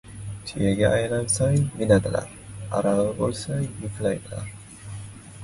• Tuyaga aylansang ― minadilar, arava bo‘lsang ― yuklaydilar.